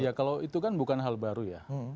ya kalau itu kan bukan hal baru ya